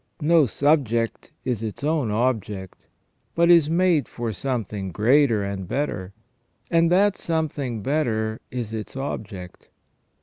No subject is its own object, but is made for something greater and better, and that something better is its object.